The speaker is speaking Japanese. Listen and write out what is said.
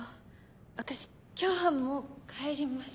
私今日はもう帰ります。